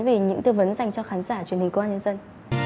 về những tư vấn dành cho khán giả truyền hình công an nhân dân